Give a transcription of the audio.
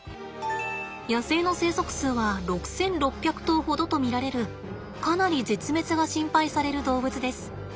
野生の生息数は６，６００頭ほどと見られるかなり絶滅が心配される動物です。